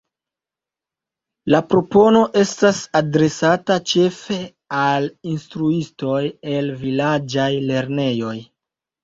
La propono estas adresata ĉefe al instruistoj el vilaĝaj lernejoj.